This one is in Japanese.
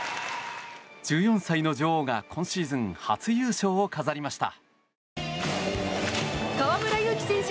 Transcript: １４歳の女王が今シーズン初優勝を飾りました。